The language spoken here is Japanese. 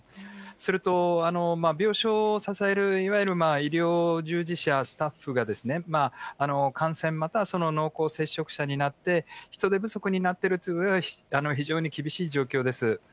それと、病床を支えるいわゆる医療従事者、スタッフがですね、感染、または濃厚接触者になって、人手不足になっている、非常に厳しい状況です。